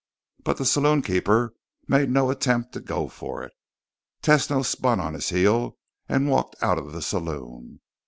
But the saloonkeeper made no attempt to go for it. Tesno spun on his heel and walked out of the saloon.